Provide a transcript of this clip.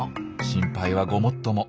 心配はごもっとも。